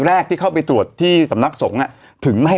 แรกที่เข้าไปตรวจที่สำนักสงฆ์ถึงไม่ให้